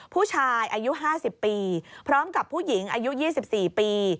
ผู้ชายอายุ๕๐ปีพร้อมกับผู้หญิงอายุ๒๔ปี